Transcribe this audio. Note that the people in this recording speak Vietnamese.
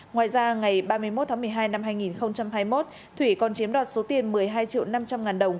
ngoài ra ngày ba mươi một tháng một mươi hai năm hai nghìn hai mươi một thủy còn chiếm đoạt số tiền một mươi hai triệu năm trăm linh ngàn đồng